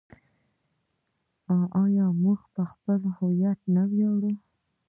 آیا موږ په خپل هویت نه ویاړو؟